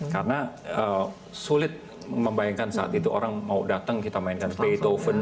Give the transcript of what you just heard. karena sulit membayangkan saat itu orang mau datang kita mainkan beethoven